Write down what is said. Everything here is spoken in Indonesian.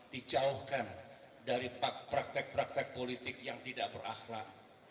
dijauhkan dari praktek praktek politik yang tidak berakhlak